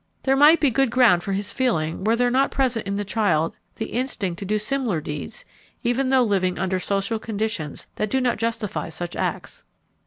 There might be good ground for his feeling were there not present in the child the instinct to do similar deeds even though living under social conditions that do not justify such acts.